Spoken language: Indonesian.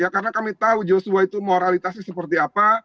karena kami tahu yosua itu moralitasnya seperti apa